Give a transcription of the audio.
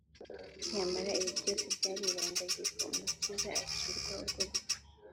nyamara ibi byose byarirengagijwe, umukiza acirwa urwo gupfa,